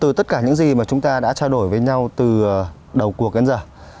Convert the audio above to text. từ tất cả những gì mà chúng ta đã trao đổi với nhau từ đầu cuộc đến giờ